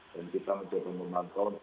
dan kita mencoba memantau